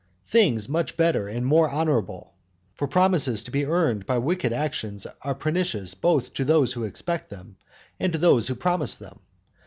Things much better and more honourable. For promises to be earned by wicked actions are pernicious both to those who expect them, and to those who promise them.